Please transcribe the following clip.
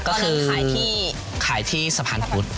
ก็คือขายที่สะพานพุทธ